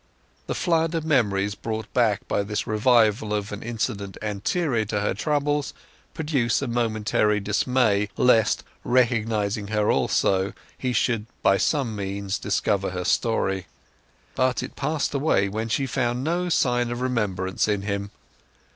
The flood of memories brought back by this revival of an incident anterior to her troubles produced a momentary dismay lest, recognizing her also, he should by some means discover her story. But it passed away when she found no sign of remembrance in him.